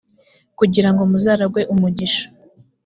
kugira ngo muzaragwe umugisha